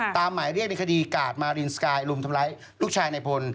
หมายเรียกในคดีกาดมารินสกายรุมทำร้ายลูกชายในพล